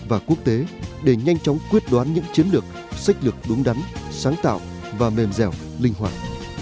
và quốc tế để nhanh chóng quyết đoán những chiến lược sách lược đúng đắn sáng tạo và mềm dẻo linh hoạt